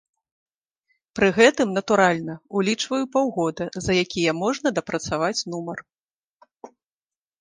Пры гэтым, натуральна, улічваю паўгода, за якія можна дапрацаваць нумар.